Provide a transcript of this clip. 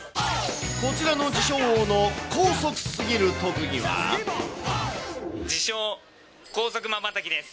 こちらの自称王の高速すぎる自称、高速まばたきです。